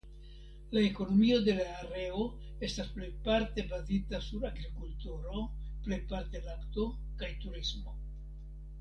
La ekonomio de la areo estas plejparte bazita sur agrikulturo (plejparte lakto) kaj turismo.